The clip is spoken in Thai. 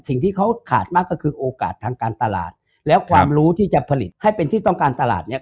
สิ่งที่เขาขาดมากก็คือโอกาสทางการตลาดแล้วความรู้ที่จะผลิตให้เป็นที่ต้องการตลาดเนี่ย